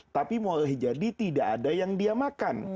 tapi boleh jadi tidak ada yang dia makan